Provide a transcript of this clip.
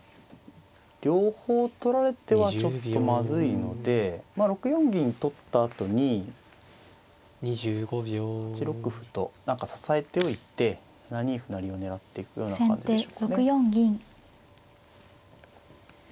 両方取られてはちょっとまずいので６四銀取ったあとに８六歩と何か支えておいて７二歩成を狙っていくような感じでしょうかね。